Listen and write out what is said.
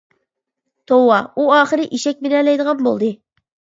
توۋا، ئۇ ئاخىرى ئېشەك مىنەلەيدىغان بولدى.